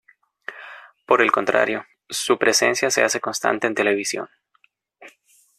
Por el contrario, su presencia se hace constante en televisión.